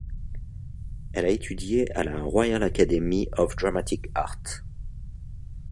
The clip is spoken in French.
Elle a étudié à la Royal Academy of Dramatic Art.